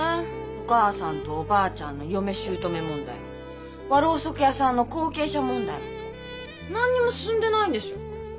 お母さんとおばあちゃんの嫁姑問題も和ろうそく屋さんの後継者問題も何にも進んでないんですよ。